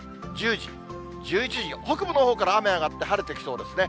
９時、１０時、１１時、北部のほうから雨上がって晴れてきそうですね。